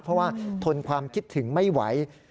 เพราะว่าทนความคิดถึงไม่ไหว